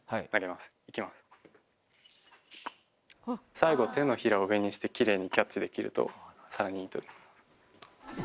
最後は手のひらを上にしてキレイにキャッチできるとさらにいいという。